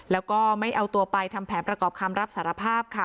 แล้วก็ไม่เอาตัวไปทำแผนประกอบคำรับสารภาพค่ะ